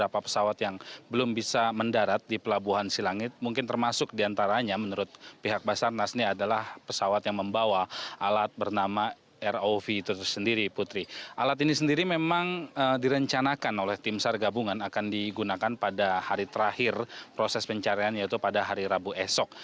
pada saat ini alat yang dioperasikan oleh tim sar gabungan akan digunakan pada hari terakhir proses pencarian yaitu pada hari rabu esok